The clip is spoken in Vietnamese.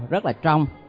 rất là trong